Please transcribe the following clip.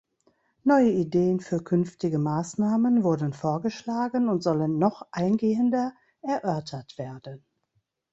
Neue Ideen für künftige Maßnahmen wurden vorgeschlagen und sollen noch eingehender erörtert werden.